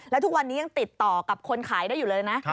แล้วทุกวันนี้ยังติดต่อกับคนขายได้อยู่เลยนะ